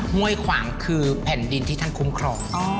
ห้วยขวางคือแผ่นดินที่ท่านคุ้มครอง